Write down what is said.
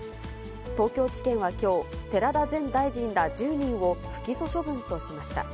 東京地検はきょう、寺田前大臣ら１０人を不起訴処分としました。